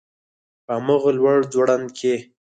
په هغه لوړ ځوړند کي